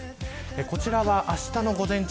こちらはあしたの午前中